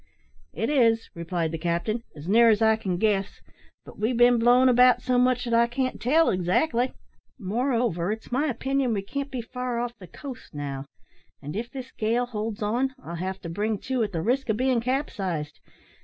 "It is," replied the captain, "as near as I can guess; but we've been blown about so much that I can't tell exactly. Moreover, it's my opinion we can't be far off the coast now; and if this gale holds on I'll have to bring to, at the risk of bein' capsized.